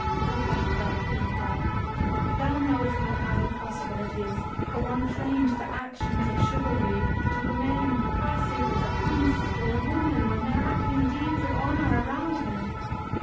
"Rebecca," he replied, "thou knowest not how impossible it is for one trained to actions of chivalry to remain passive as a priest, or a woman, when they are acting deeds of honour around him.